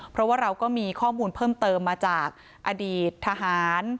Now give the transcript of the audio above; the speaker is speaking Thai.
เพราะว่าเราก็มีข้อมูลเพิ่มเติมมาจากอดีตทหาร